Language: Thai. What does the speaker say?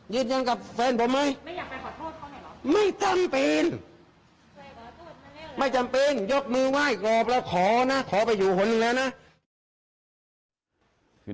ยืดยังกับเพื่อนผมเว้ย